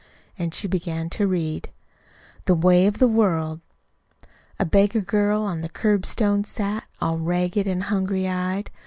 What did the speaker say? And she began to read: THE WAY OF THE WORLD A beggar girl on the curbstone sat, All ragged an' hungry eyed.